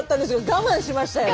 我慢しましたよ。